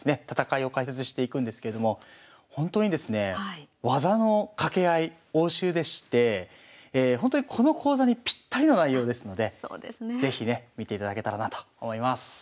戦いを解説していくんですけれどもほんとにですねえ技のかけ合い応酬でしてほんとにこの講座にぴったりの内容ですので是非ね見ていただけたらなと思います。